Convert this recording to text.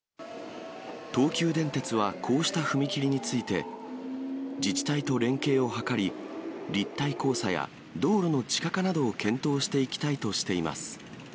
東急電鉄はこうした踏切について、自治体と連携を図り、立体交差や道路の地下化などを検討していきたいとしています。